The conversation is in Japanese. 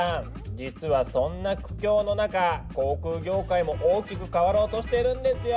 実はそんな苦境の中航空業界も大きく変わろうとしてるんですよ。